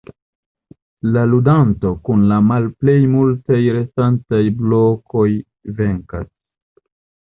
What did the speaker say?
La ludanto kun la malplej multaj restantaj blokoj venkas.